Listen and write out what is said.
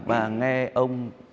và nghe ông